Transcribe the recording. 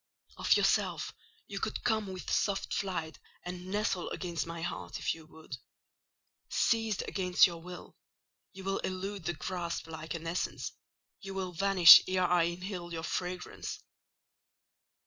Of yourself you could come with soft flight and nestle against my heart, if you would: seized against your will, you will elude the grasp like an essence—you will vanish ere I inhale your fragrance.